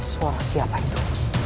suara siapa itu